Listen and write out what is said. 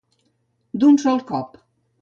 D'un sol cop.